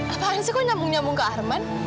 ngapain sih kok nyambung nyambung ke arman